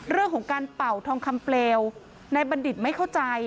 เรื่องของการเป่าทองคำเปลวนายบัณฑิตไม่เข้าใจ